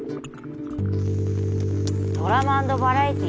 ドラマ＆バラエティ？